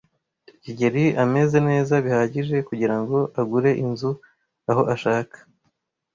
kigeli ameze neza bihagije kugirango agure inzu aho ashaka.